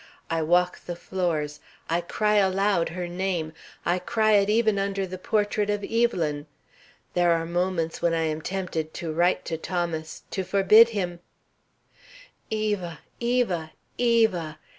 I walk the floors. I cry aloud her name. I cry it even under the portrait of Evelyn. There are moments when I am tempted to write to Thomas to forbid him "Eva! Eva! Eva!